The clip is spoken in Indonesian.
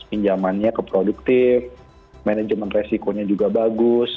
pinjamannya keproduktif manajemen resikonya juga bagus